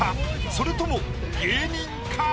それとも芸人か？